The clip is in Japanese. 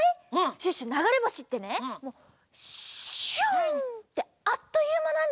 シュッシュながれぼしってねもうシュッてあっというまなんだよ！